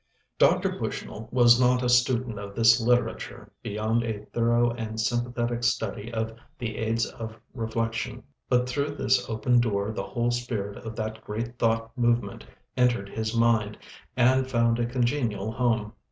Dr. Bushnell was not a student of this literature beyond a thorough and sympathetic study of 'The Aids to Reflection,' but through this open door the whole spirit of that great thought movement entered his mind and found a congenial home.